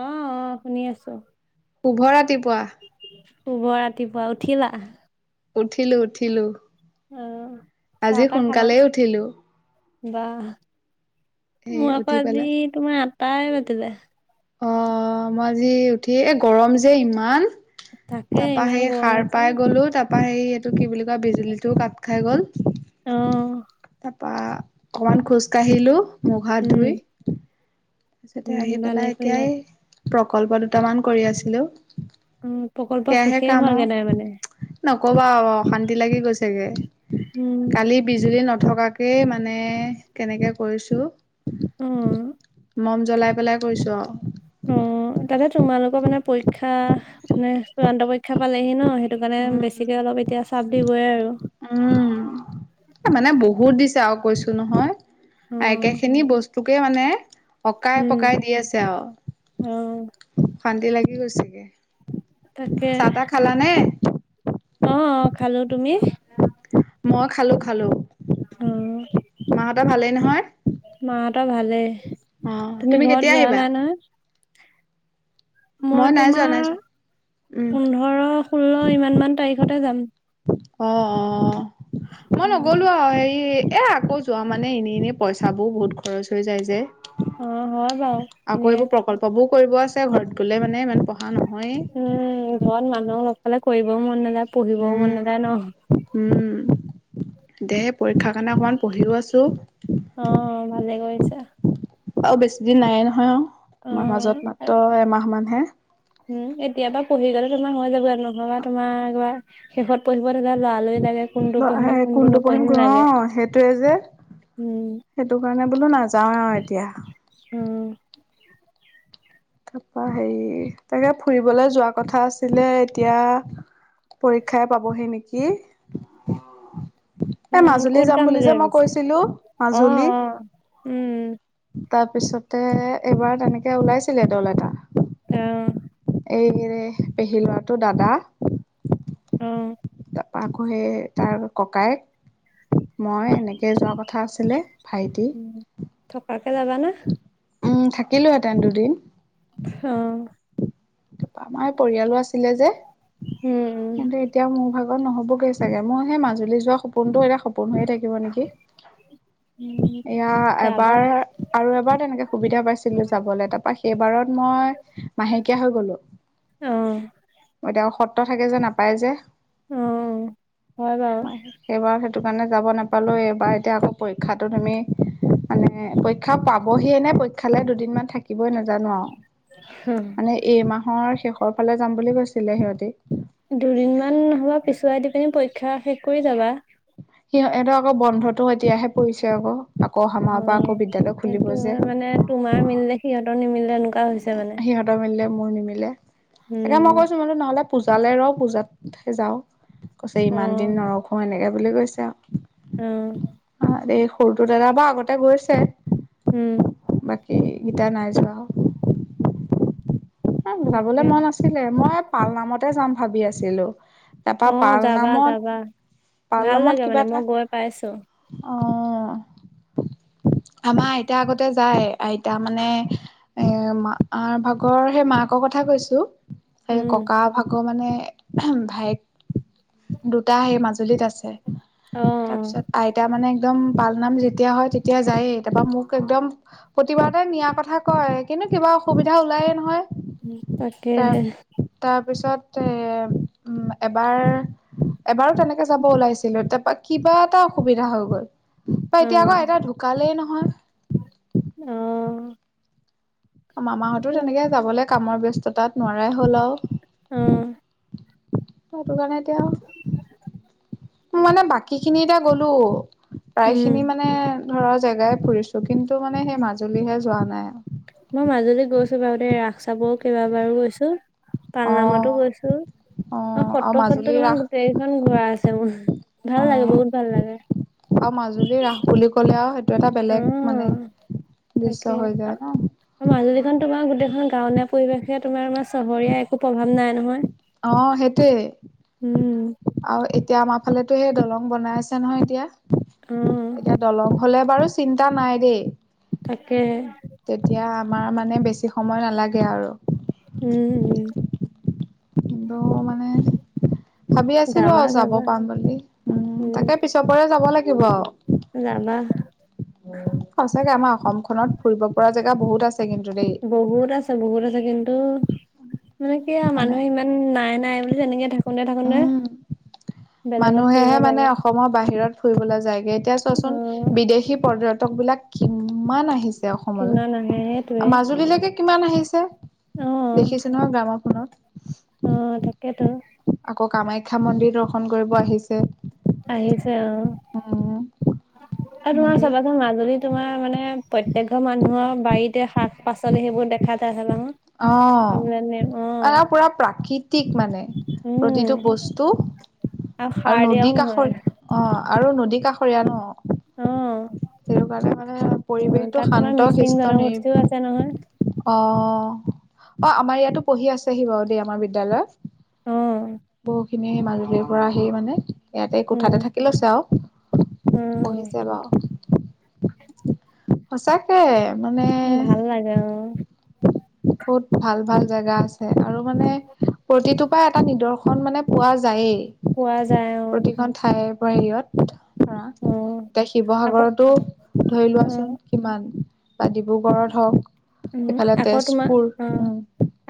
আ অ শুনি আছো শুভ ৰাতিপুৱা শুভ ৰাতিপুৱা উঠিলা উঠিলো উঠিলো অ আজি সোনকালেই উঠিলো বাহ সেই মই আকৌ উঠি আজি পেলাই তোমাৰ আঠতাই বাজিলে অ মই আজি উঠি এ গৰম যে ইমান তাকে তাপা ইমান সেই গৰম সাৰ হৈছে পাই গ'লো তা- তাপা সেই এইটো কি বুলি কয় বিজুলীটো কাত খাই গল। অ বা অকমান খোজ কাঢ়িলো মুখ হাত উম ধুই। তাৰপিছতে উম আহি ভালে পেলাই কৰিলা এতিয়াই প্ৰকল্প দুটামান কৰি আছিলো। উম প্ৰকল্প সেয়াহে শেষেই কাম আৰু হোৱাগে নাই মানে নক'বা অশান্তি লাগি গৈছেগে উম কালি বিজুলী ন- নথকাকেই মানে কেনেকে কৰিছো। উম মম জ্বলাই পেলাই কৰিছোঁ আৰু। অ তাতে তোমালোকৰ মানে পৰীক্ষা মানে চূড়ান্ত পৰীক্ষা পালেহি ন সেইটো কাৰণে উম, বেছিকে অলপ এতিয়া চাপ দিবই আৰু উম মানে বহুত দিছে আৰু কৈছো নহয়। অ একেখিনি বস্তুকে মানে। অকাই উম পকাই দি আছে আৰু অ অশান্তি লাগি গৈছেগে। তাকে চাহ তাহ খালানে। অ অ খালো তুমি। মই খালো খালো অ মাঁহতৰ ভালেই নহয়। মাহঁতৰ ভালেই অ', তুমি কেতিয়া ঘৰত যোৱা আহিবা? নাই নহয়্ মই নাই যোৱা তোমাৰ নাই যোৱা। উম, পোন্ধৰ ষোল্ল ইমান মান তাৰিখতে যাম। অ অ মই নগলো আৰু হেৰি। এ আকৌ যোৱা মানে এনেই এনেই পইচাবোৰ বহুত খৰচ হৈ যায় যে। অ' হয় বাৰু এনে আকৌ এইবোৰ প্ৰকল্পবোৰ। কৰিব আছে ঘৰত গলে মানে ইমান পঢ়া নহয়ে। ফলে কৰিবও মন নাযায় পঢ়িবও মন নাযায় ন। উম। দে পৰীক্ষা কাৰণে অকমান পঢ়িও আছো। অ' ভালে কৰিছা। আৰু বেছি দিন নাইে নহয় অ তোমাৰ মাজত অ' মাত্ৰ এমাহ মানহে। এতিয়া পৰা পঢ়ি গ'লে তোমাৰ হৈ যাব আৰু নহয়বা তোমাৰ একেবাৰ শেষত পঢ়ি। কব স লৰা লই লাগে কুনতো পঢ়িম কুনতো কোনটো পঢ়িম নপহিম কোন অ লাগে। সেইটোৱে যে উম, সেইটো কাৰণে বোলো নাযাওৱে আৰু এতিয়া। উম। তাপা হেৰি তাকে ফুৰিবলৈ যোৱা কথা আছিলে এতিয়া। পৰীক্ষাই পাবহি নেকি। এ উম, মাজুলী ক'ত যাম বুলি যে মই ভাবিছা? কৈছিলো অ', মাজুলী। অ'। উম, তাৰপিছতে এইবাৰ তেনেকে ওলাইছিলে দল এটা। অহ। এই পেহী লৰাটো দাদা। অ। তাপ আকৌ সেই তাৰ ককায়েক মই এনেকে যোৱা কথা আছিলে। ভাইটি উম থকাকে যাবানে। উম থাকিলো হেঁতেন দুদিন। অহ। তাপা আমাৰ এই পৰিয়ালো আছিলে যে। উম, কিন্তু এতিয়া মোৰ ভাগত নহ'বগৈ চাগে মোৰ সেই মাজুলী যোৱা সপোনতটো এতিয়া সপোন হৈয়ে থাকে। থাকিব নেকি। উম। এয়া তাৰপা এবাৰ আৰু এবাৰ তেনেকে সুবিধা পাইছিলো যাবলৈ তাপা সেইবাৰত মই। মাহেকীয়া হৈ গলো অ', এতিয়া সত্ৰ থাকে যে নাপায় যে। অহ। সেইবাৰ সেইটো কাৰণে যাব নাপালো এইবাৰ এতিয়া আকৌ পৰীক্ষাটো তুমি। মানে পৰীক্ষা পাবহিয়ে নে পৰীক্ষালৈ দুদিনমান থাকিবই নাজানো আৰু। হুম। অ শেষৰ ফালে যাম বুলি কৈছিলে সিহঁতি। দুদিনমান নহবা পিছুৱাই দি পিনি পৰীক্ষা শেষ কৰি যাবা। সিহতৰ আকৌ বন্ধতো এতিয়াহে পৰিছে আকৌ। আকৌ অহা মাহৰ অ পৰা আকৌ বিদ্যালয় খুলিব সেইটো যে। হয় মানে তোমাৰ মিলিলে। সিহঁতৰ নিমিলে এনেকুৱা হৈছে মানে। সিহঁতৰ মিলিলে মোৰ নিমিলে তাকে উম, মই কৈছো মো নহলে পূজালৈ ৰওঁ পূজাতহে যাও। কৈছে ইমান দিন অ', নৰখোওঁ এনেকৈ বুলি কৈছে আৰু। অ। দেই সৰুটো দাদা বা আগতে গৈছে। উম। বাকী গিটা নাই যোৱা। যাবলৈ তাকে মন আছিলে মই পাল নামতে যাম ভাবি আছিলো। তাৰপা অ', পাল যাবা নামত যাবা। পাল ভাল নামত লাগে কিবা মানে এটা মই গৈ পাইছোঁ, অ আমাৰ আইতা আগতে যায় আইতা মানে এ মাৰ ভাগৰ সেই মাক মাকক কৈছো সেৰি উম, ককা ভাগৰ মানে ভাইেক দুটা হেই মাজুলীত আছে। অ', অ', তাৰপিছত আইতা মানে একদম পালনাম যেতিয়া হয় তেতিয়া যায়েই তাৰাপা মোক একদম প্ৰতিবাৰতে নিয়াৰ কথা কয় কিন্তু কিবা অসুবিধা ওলায়ে নহয়। তাৰ তাকেহে তাৰপিছত এবাৰ এবাৰো তেনেকে যাব ওলাইছিলো তাৰপা কিবা এটা অসুবিধা হৈ গল বা এতিয়া আকৌ অ', এটা ঢুকালেই নহয়। অহ মামাহঁতো তেনেকে যাবলৈ কামৰ ব্যস্ততাত নোৱাৰাই হল আৰু অ', সেইটো কাৰণে এতিয়া [unintelligible] মানে বাকী খিনি এতিয়া গ'লো প্ৰায় খিনি উম। মানে ধৰ জেগাই ফুৰিছো কিন্তু মানে সেই মাজুলীহে যোৱা নাই। মই মাজুলীত গৈছো বাৰু দে ৰাস চাবৰও কেইবাবাৰো গৈছো। অ পালনামতো গৈছো অ আৰু সত্ৰ চত্ৰ মাজুলী তোমাৰ ৰাস গোটেইকেইখন ঘোঁৰা আছে মোৰ অ ভাল লাগে বহুত ভাল লাগে। মাজুলী ৰাস বুলি কয় এইটো এটা বেলেগ মানে অ', দৃশ্য তাকে হৈ যায় ন মাজুলীখন তোমাৰ গোটেইখন গাও পৰিৱেশে তোমাৰ আমাৰ চহৰীয়া একো প্ৰভাৱ নাই নহয়। অ সেইটোৱে উম, আৰু এতিয়া আমাৰ ফালেতো সেই দলং বনাই আছে নহয় এতিয়া অ', এতিয়া দলং হ'লে বাৰু চিন্তা নাই দেই। তাকেহে তেতিয়া আমাৰ মানে বেছি সময় নালাগে আৰু উম উম কিন্তু মানে ভাবি আছিলো যাবা আৰু যাব যাবা পাম বুলি উ উম, তাকে পিছ পৰে যাব লাগিব আও যাবা উ সঁচাকে আমাৰ অসমখনত ফুৰিব পৰা জেগা বহুত আছে কিন্তু দেই বহুত আছে বহুত আছে কিন্তু মানে কি আৰু মানে মানুহে ইমান নাই নাই বুলি তেনেকে থাকোতে থাকোতে উম [unintelligible] বেলেগত ফুৰিব মানুহেহে মানে যায়গে অসমৰ বাহিৰত ফুৰিবলৈ যায়গে এতিয়া অ'। চোৱাচোন বিদেশী পৰ্যটক বিলাক কিমান আহিছে কিমান আহে সেইটোৱে অসমলৈ মাজুলীলৈকে কিমান আহিছে অ দেখিছে নহয় গ্ৰামৰখনত অ তাকেইতো আকৌ কামাখ্যা মন্দিৰ দৰ্শন কৰিব আহিছে আহিছে অ উম আৰু তোমাৰ এনেকে চাবাচোন মাজুলী তোমাৰ মানে প্ৰত্যেক ঘৰ মানুহৰ বাৰীতে শাক পাচলি সেইবোৰ দেখা যায়। অহ সেইবিলাক অ আহ পুৰা প্ৰাকৃতিক মানে প্ৰতিটো উম বস্তু আৰু সাৰ দিয়াও নদী নহয় কাষৰ অ আৰু নদী কাষৰীয়া ন অ সেইটো কাৰণে মানে অ পৰিৱেশটো তাত তোমাৰ শান্ত মিচিং শিষ্ট জনগোষ্ঠীও আছে নহয় নীৰিবিলি অহ অ অ আমাৰ ইয়াতো পঢ়ি আছেহি বাৰু দেই আমাৰ বিদ্যালয়ত অ বহু খিনি সেই মাজুলীৰ পৰা আহি মানে ইয়াতে উম কোঠাতে থাকি লৈছে উম আৰু পঢ়িছে বাও সঁচাকে ভাল লাগে অ বহুত ভাল ভাল জেগা আছে আৰু মানে প্ৰতিটোৰ পৰা এটা নিদৰ্শন এখন মানে পোৱা পোৱা যায়েই যায় অ প্ৰতিখন ঠাইৰ পৰা হেৰিয়ত ধৰা অ এতিয়া আকৌ শিৱসাগৰতো ধৰি অ লোৱাচোন কিমান বা ডিব্ৰুগড়ত হওক উম এইফালে আকৌ তোমাৰ তেজপুৰ অ উম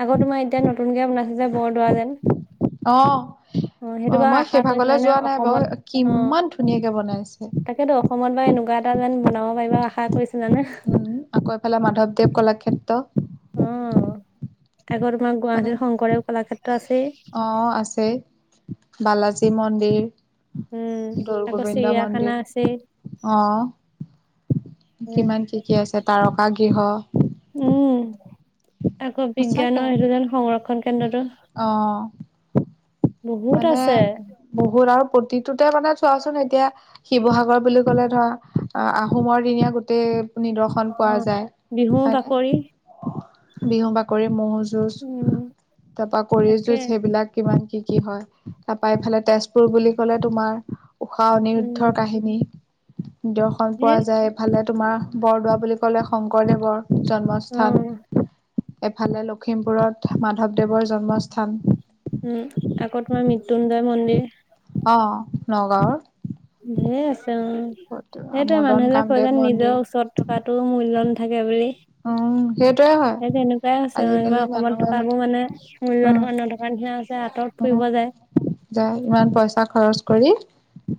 আকৌ তোমাৰ এতিয়া ন নতুনকে বনাইচে যে বৰদোৱা যে অ অ মই সেই ভাগলৈ কৰিছিলানে যোৱা নাই বাৰু অসমত অ কিমান ধুনীয়াকে বনাইছে। তাকেতো অসমত বাৰু এনেকুৱা এটা যেন বনাব পাৰিবা আশা কৰিছিলানে উম আকৌ এফালে মাধৱ দেৱ কলাক্ষেত্ৰ অ আকৌ তোমাৰ মানে গুৱাহাটীৰত শংকৰদেৱ কলাক্ষেত্ৰ আছেই। অ আছে বালাজী মন্দিৰ উম আকৌ দৌৰগোবিন্দ চিৰিয়াখানা মন্দিৰ আছেই আহ কিমান কি কি আছে তাৰকা গৃহ উম আকৌ সঁচাকে বিজ্ঞানৰ সেইটো যেন সংৰক্ষণ কেন্দ্ৰটো অ বহুত মানে আছে বহুত আৰু প্ৰতিটোতে মানে চোৱাচোন এতিয়া শিৱসাগৰ বুলি ক'লে ধৰা আহ আহোমৰ দিনীয়া গোটেই নিদৰ্শন অ পোৱা যায় বিহু বাকৰি হয়নে। বিহু বাকৰি ম'হ যুঁজ উম তাৰ পৰা কৰি তাকে যুঁজ সেইবিলাক কিমান কি কি হয় তাৰপা ইফালে তেজপুৰ বুলি কলে তোমাৰ ঊষা উম অনিৰুদ্ধৰ কাহিনী দৰ্শন পোৱা সেই যায় এইফালে তোমাৰ বৰদোৱা বুলি ক'লে শংকৰদেৱৰ। অ জন্মস্থান এফালে লখিমপুৰত মাধৱদেৱৰ জন্মস্থান। উম আকৌ তোমাৰ মৃত্যুঞ্জয় মন্দিৰ। অ নগাঁৱৰ ধেৰ আছে উম সেইটোয়ে মদন মানুহবিলাক কৈ কামদেৱ যে নিজৰ মন্দিৰ ওচৰত থকাটো মূল্য নেথাকে থাকে বুলি উম সেইটোৱে হয় সেই তেনেকুৱাই আছে আমাৰ আজিকালি অসমত মানুহে থকাবোৰ মানে মূল্য থকা নথকা নিচিনা হৈছে আঁতৰত উ ফুৰিব যায়। যায় ইমান পইচা খৰচ কৰি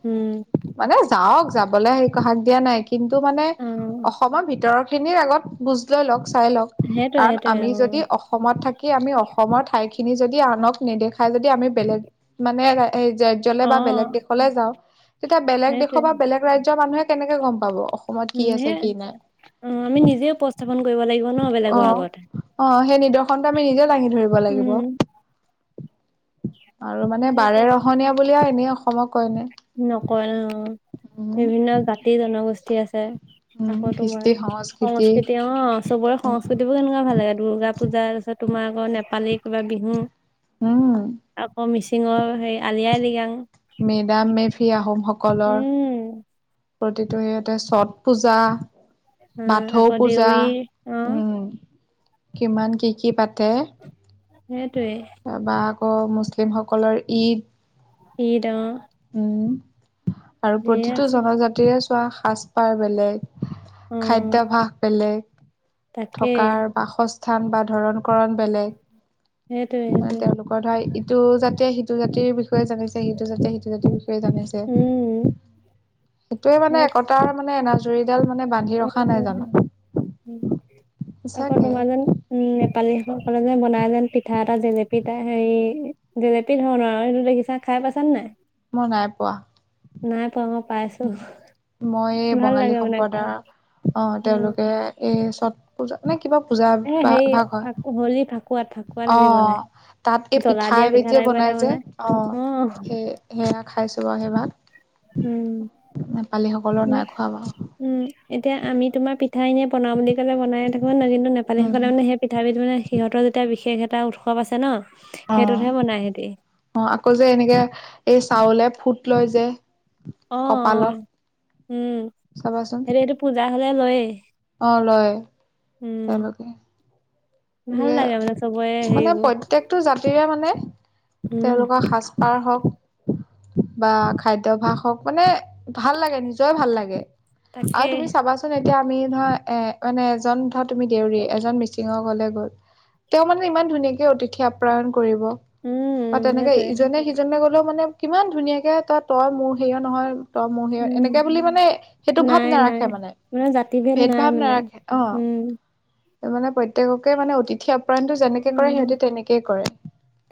উম মানে যাওক যাবলৈ সেই হাক দিয়া নাই কিন্তু মানে অ' অসমৰ ভিতৰত খিনিৰ আগত বুজ লৈ লওক চাই লক সেইটোৱে কাৰণ সেইটোৱে আমি যদি অ' অসমত থাকি আমি অসমৰ ঠাইখিনি খিনি যদি আনক নেদেখাই যদি আমি বেলেগ মানে এই ৰাজ্যলে অ' বা বেলেগ দেশলৈ যাওঁ তেতিয়া বেলেগ দেশৰ সেইটোৱে বা বেলেগ ৰাজ্যৰ মানুহে কেনেকে গম পাব অসমত কি উম আছে সে কি নাই অ আমি নিজে উপস্থাপন কৰিব লাগিব ন অ বেলেগৰ আগত। অ সেই নিদৰ্শনটো আমি নিজেও দাঙি ধৰিব উম লাগিব আৰু মানে বাৰে সেইটোৱে ৰহনীয়া বুলিয় এনেই অসমক কয়নে কয় নো উম বিভিন্ন জাতি জনগোষ্ঠী আছে উম আকৌ তোমাৰ কিস্তি সং সংস্কৃতি অ চবৰে সংস্কৃতি বোৰ কেনেকুৱা ভাল লাগে দুৰ্গা পূজা তাৰপিছত তোমাৰ আকৌ নেপালী কিবা বিহু উম আকৌ মিচিঙৰ হেৰি আলি আাই আলি। মেডাম মেফি আহোমসকলৰ। উম। প্ৰতিটো ইয়াতে ছট পূজা অ' বাথৌ আকৌ পূজা, দেউৰী অ' উম। কিমান কি কি পাতে? সেইটোৱে। অ', মুছলিমসকলৰ ঈদ। ঈদ অ', উম, আৰু ধেৰ প্ৰতিটো আছে জনজাতিৰে চোৱা সাজ পাৰ বেলেগ। অ খাদ্যভাস বেলেগ, তাকে থকাৰ বাসস্থান বা ধৰণ কৰণ বেলেগ, সেইটোৱে সেইটোৱে তেওঁলোকৰ ধৰা সিটো জাতিয়ে সিটো জাতিৰ বিষয়ে জানিছে সিটো জাতিয়ে সিটো জাতিৰ বিষয়ে উম জানিছে। সেইটোৱে মানে সেই একতাৰ মানে এনাজৰীডাল মানে বান্ধি ৰখা নাই উম জানো। আকৌ সঁচাকে তোমাৰ যেন, উম, নেপালী সকলে যে বনাই থাইলেন পিঠা এটা যে পিঠা এটা হেৰি জেলেপি ধৰণৰ আৰু সেইটো দেখিছা খাই পাইছ নে নাই? মই নাই পোৱা। নাই পোৱা মই পাইছো, মই এই ভাল বঙালী লাগে মানে খাই। সম্প্ৰদায়ৰ অ', উম তেওঁলোকে এই চট পূজা নে কি কিবা পূজা এ ভা হেৰি ভাগ হয়, ফাকু হলি ফাকুৱাত ফাকুৱাত হেৰি বনাই অ', তাত এই জ্বলা পিঠা দিয়া এবিধ যে টাইপৰ বনাই এটা যে অ', সে সেয়া খাইছো বাৰু সেইবাৰ। উম নেপালী সকলৰ ইমান নাই খোৱা মই। উম, এতিয়া আমি তোমাৰ পিঠা এনে বনাওঁ বুলি ক'লে বনাই থাকো [unintelligible] কিন্তু উম নেপালীসকলে মানে সেই পিঠাবধ মানে সিহঁতৰ যেতিয়া বিশেষ এটা উৎসৱ আছে ন? সেইটোতহে অ', বনাই সিহঁতি অ', আকৌ যে এনেকে, এই চাউলে ফুট লয় যে। অ', কপালত অ', উম, চাবাচোন সেইটো সেইটো পূজা হলে লয়ে। অ', লয় তেওঁলোকে। ভাল গতিকে লাগে মানে চবৰে মানে হেৰিবোৰ প্ৰত্যেকটো জাতিৰে মানে উম, তেওঁলোকৰ সাজ পাৰ হওঁক বা খাদ্যভাস হওক মানে ভাল লাগে নিজৰ ভাল লাগে। তাকে আৰু তুমি চাবাচোন এ এতিয়া আমি ধৰা এ মানে এজন ধৰা তুমি দেউৰী এজন মিচিঙক গ'লে তেওঁ মানে ইমান ধুনীয়াকে অতিথি আপ্ৰায়ন কৰিব, উম, বা উম, তেনেকে সেইটোৱে ইজনে সিজন [unintelligible] মানে কিমান ধুনীয়াকে তই মোৰ হেৰিয় নহয়। তই মোৰ সেয়ে উম, এনেকে বুলি মানে সেইটো ভাৱ নাই নাই নাৰাখে মানে জাতিভেদ ভেদ নাই ভাৱ মানে নাৰাখে অ', উম, মানে প্ৰত্যেককে মানে অতিথি আপ প্ৰায়নটো যেনেকে কৰে অ', সিহঁতে তেনেকেই কৰে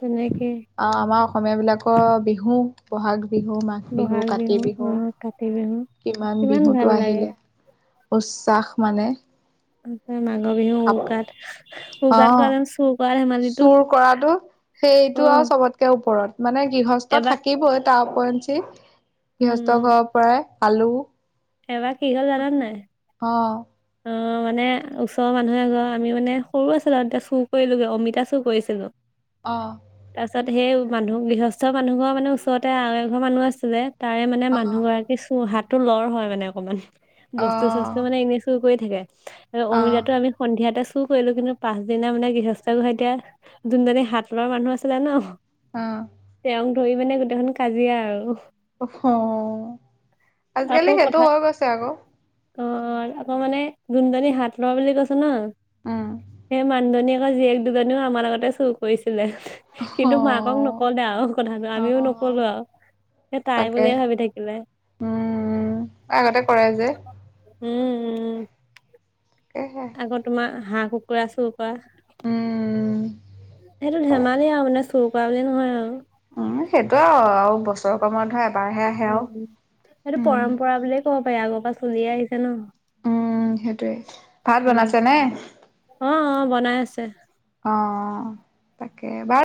তেনেকে আমাৰ সময়বিলাকৰ বিহু বহাগ বিহু মাঘ বিহু, বহাগ কাতি বিহু, অ', কাতি বিহু কিমান ভাল বিহুটো লাগে আহিলে। উচ্চ্বাস মানে। মাঘৰ বিহু কাপ উৰুকাত- অ উৰুকাত চোৰ চুৰ কৰাটো সেইটো আৰু চবতকে ওপৰত। মানে গৃহস্থ এবাৰ থাকিবই তাৰ ওপৰত যে উম গৃহস্থক ঘৰৰ পৰাই আলু এবাৰ কি হল জানা নে নাই? অ অ', মানে ওচৰৰ মানুহ এঘৰ আমি মানে সৰু আছিলো আৰু এতিয়া চুৰ কৰি লৈ অমিতা চুৰ কৰিছিলো। অ', তাৰ পিছত সেই মানুহ গৃহস্থ মানুহ ঘৰ মানে ওচৰতে আৰু এঘৰ মানুহ আছিলে। তাৰে মানে অ মানুহ গৰাকী চু হাতটো লৰ হয় মানে অকণমান, অ বস্তু চস্তু মানে এনে কৈ থাকে আৰু অ অমিতাতো আমি সন্ধিয়াতে টো কৰিলো কিন্তু পাছদিনা মানে গৃহস্থ ঘৰ এতিয়া যুনজনী হাত লৰ মানুহ আছিলে ন' অ', তেওঁক ধৰি মানে গোটেইখন কাজিয়া আৰু অহ- ঔ আজিকালি সেইটো হৈ গৈছে আকৌ। অহ, আকৌ মানে জোনজনী হাতলৰ বুলি কৈছো ন' উম সেই মানুহজনী তা জীয়েক দুজনীও আমাৰ আগতে চুৰ কৰিছে। [unintelligible] অ কিন্তু মাকক নকলে আৰু কথাটো অ আমিও নকলো আৰু। সেই তাই তাকে বুলিয়ে ভাবি থাকিলে উম আগতে কৰে যে উম। উম তাকেহে আকৌ তোমাৰ হাঁহ, কুকুৰা চুৰ কৰা। উম চৌকা বুলি নহয় আৰু। উম সেইটো আৰু আৰু বছৰৰ গৰম বন্ধ এবাৰ এবাৰহে আহে উম সেইটো পৰম্পৰা বুলিয়ে ক'ব পাৰি আগৰ পৰা চলিয়ে আহিছে ন উম সেইটোৱে ভাত বনাইছে নে অহ অহ বনাই আছে অহ তাকে বাৰু